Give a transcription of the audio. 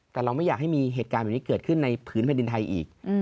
แต่เราไม่อยากให้มีเหตุการณ์แบบนี้เกิดขึ้นในผืนแผ่นดินไทยอีก